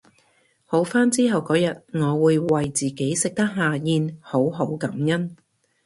好返之後嗰日我會為自己食得下嚥好好感恩